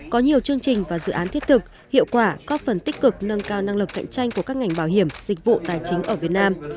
có nhiều chương trình và dự án thiết thực hiệu quả có phần tích cực nâng cao năng lực cạnh tranh của các ngành bảo hiểm dịch vụ tài chính ở việt nam